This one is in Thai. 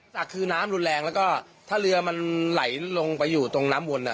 ซักคืนน้ำรุนแรงถ้าเรือไหลลงไปอยู่ตรงน้ำวน